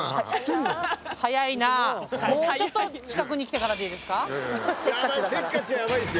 もうちょっと近くに来てからでいいですか？